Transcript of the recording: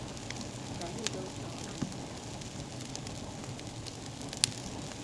藍綠都超愛